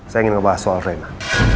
saya ingin membahas soal rena